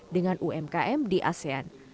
dengan umkm di asean